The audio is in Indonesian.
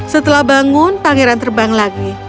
setelah bangun pangeran terbang lagi